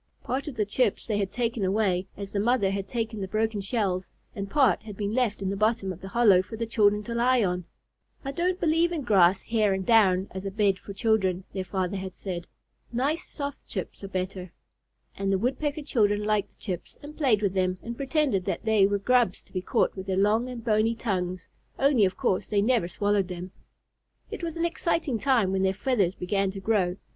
Part of the chips they had taken away, as the mother had taken the broken shells, and part had been left in the bottom of the hollow for the children to lie on. "I don't believe in grass, hair, and down, as a bed for children," their father had said. "Nice soft chips are far better." And the Woodpecker children liked the chips, and played with them, and pretended that they were grubs to be caught with their long and bony tongues; only of course they never swallowed them. It was an exciting time when their feathers began to grow.